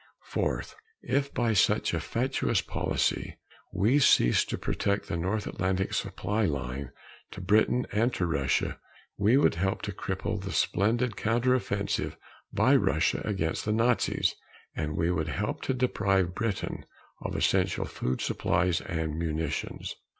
Fourth, if by such a fatuous policy we ceased to protect the North Atlantic supply line to Britain and to Russia, we would help to cripple the splendid counter offensive by Russia against the Nazis, and we would help to deprive Britain of essential food supplies and munitions.